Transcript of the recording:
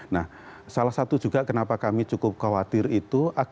nah salah satu juga kenapa kami cukup khawatir itu